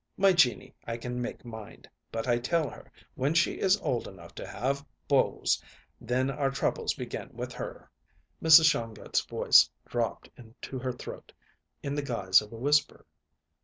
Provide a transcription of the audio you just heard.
My Jeannie I can make mind; but I tell her when she is old enough to have beaus, then our troubles begin with her." Mrs. Shongut's voice dropped into her throat in the guise of a whisper.